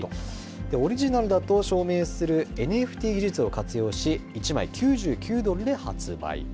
オリジナルだと証明するＮＦＴ技術を活用し、１枚９９ドルで発売。